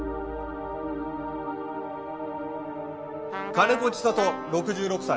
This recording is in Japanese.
金子千里６６歳。